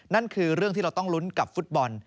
นั่นคือเรื่องที่เราต้องลุ้นกับฟุตบอล